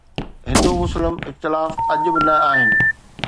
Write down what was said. هندو مسلم اختلاف اڄ به نه آهن.